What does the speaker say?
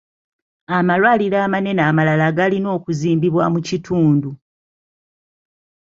Amalwaliro amanene amalala galina okuzimbibwa mu kitundu.